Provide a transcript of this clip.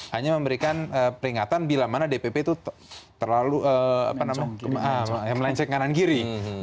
hanya memberikan peringatan bila mana dpp itu terlalu melenceng kanan kiri